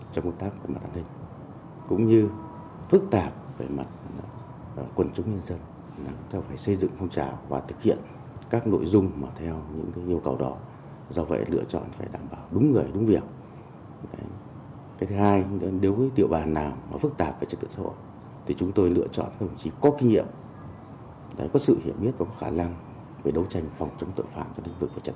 thì chúng ta sẽ phải thực hiện các nội dung theo những yêu cầu đó